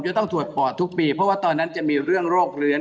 จะต้องถวดปอดทุกปีเพราะว่าตอนนั้นจะมีเรื่องโรคเลื้อน